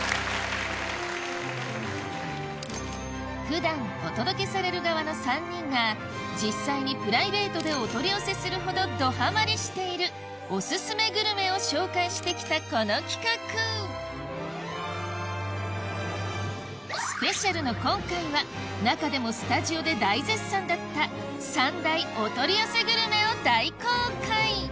普段お届けされる側の３人が実際にプライベートでお取り寄せするほどどハマりしているオススメグルメを紹介してきたこの企画スペシャルの今回は中でもスタジオで大絶賛だった三大お取り寄せグルメを大公開